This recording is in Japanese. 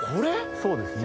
そうですね。